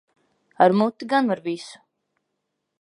Ar muti gan var visu.